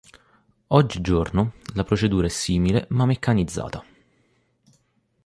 Oggi giorno la procedura è simile ma meccanizzata.